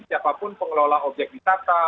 siapapun pengelola obyek wisata